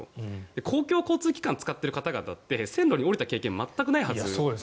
公共交通機関を使っている方々って線路に下りた経験って全くないはずで。